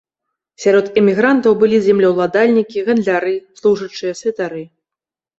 Сярод эмігрантаў былі землеўладальнікі, гандляры, служачыя, святары.